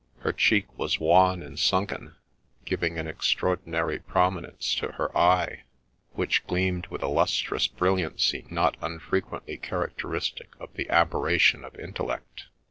Her cheek was wan and sunken, giving an extraordinary prominence to her eye, which gleamed with a lustrous brilliancy not unfrequently characteristic of the aberra tion of intellect.